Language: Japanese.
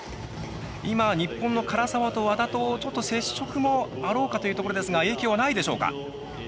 今、日本の唐澤と和田とちょっと接触もあろうかというところですが、影響はないでしょうか。